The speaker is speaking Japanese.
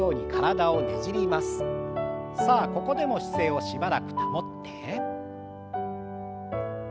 さあここでも姿勢をしばらく保って。